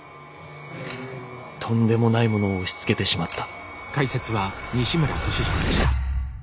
とんでもないものを押し付けてしまった」。